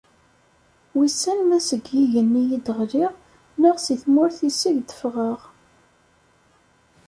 Wissen ma seg yigenni i d-ɣliɣ neɣ si tmurt iseg d-ffɣeɣ.